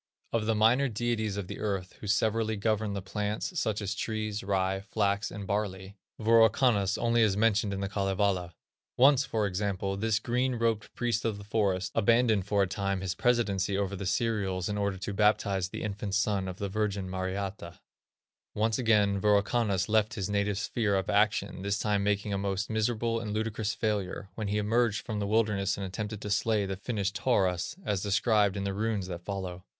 Of the minor deities of the earth, who severally govern the plants, such as trees, rye, flax, and barley, Wirokannas only is mentioned in The Kalevala. Once, for example, this "green robed Priest of the Forest" abandoned for a time his presidency over the cereals in order to baptize the infant son of the Virgin Mariatta. Once again Wirokannas left his native sphere of action, this time making a most miserable and ludicrous failure, when he emerged from the wilderness and attempted to slay the Finnish Taurus, as described in the runes that follow.